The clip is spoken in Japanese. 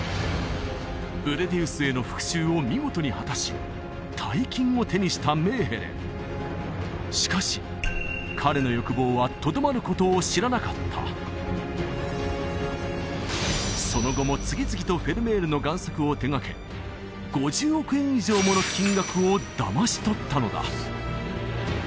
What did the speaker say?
ブレディウスへの復讐を見事に果たし大金を手にしたメーヘレンしかし彼の欲望はとどまることを知らなかったその後も次々とフェルメールの贋作を手がけ５０億円以上もの金額をだまし取ったのだ